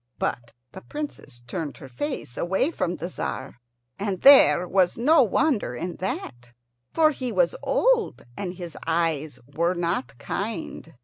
But the Princess turned her face away from the Tzar; and there was no wonder in that, for he was old, and his eyes were not kind.